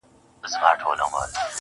کله مسجد کي گډ يم کله درمسال ته گډ يم_